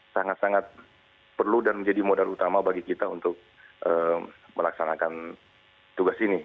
sangat sangat perlu dan menjadi modal utama bagi kita untuk melaksanakan tugas ini